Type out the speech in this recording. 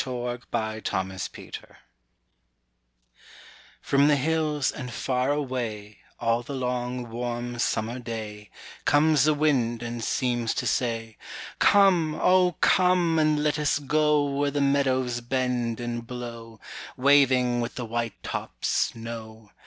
THE WIND OF SUMMER From the hills and far away All the long, warm summer day Comes the wind and seems to say: "Come, oh, come! and let us go Where the meadows bend and blow, Waving with the white tops' snow.